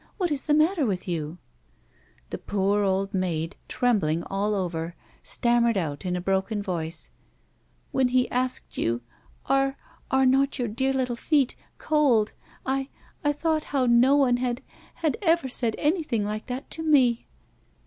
What is the matter with you 1 " The poor, old maid, trembling all over, stammered out in a broken voice :" When he asked you —' Are — are not your dear little feet — cold ?' I — I thought how no one had — had ever said anything like that to me."